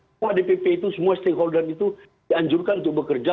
semua dpp itu semua stakeholder itu dianjurkan untuk bekerja